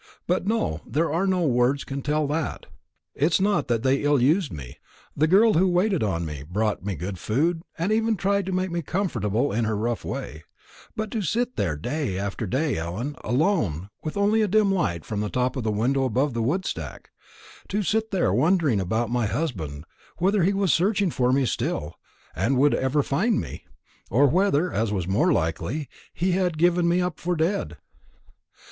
But no, there are no words can tell that. It's not that they ill used me. The girl who waited on me brought me good food, and even tried to make me comfortable in her rough way; but to sit there day after day, Ellen, alone, with only a dim light from the top of the window above the wood stack; to sit there wondering about my husband, whether he was searching for me still, and would ever find me, or whether, as was more likely, he had given me up for dead.